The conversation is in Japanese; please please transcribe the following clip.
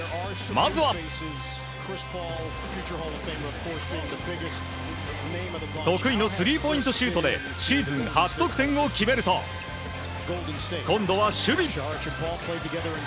まずは得意のスリーポイントシュートでシーズン初得点を決めると今度は守備。